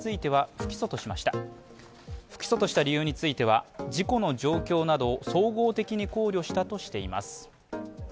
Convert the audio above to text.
不起訴とした理由については、事故の状況などを総合的に考慮したとしています。